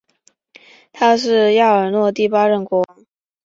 他是亚尔诺第八任国王。